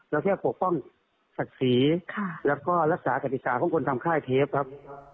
แค่ปกป้องศักดิ์ศรีแล้วก็รักษากติกาของคนทำค่ายเทปครับ